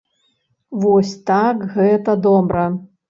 Вось так гэта добра!